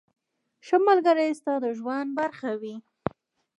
• ښه ملګری ستا د ژوند برخه وي.